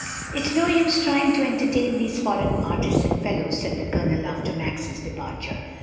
"It is no use trying to entertain these foreign artists and fellows," said the Colonel after Max's departure.